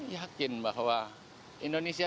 yakin bahwa indonesia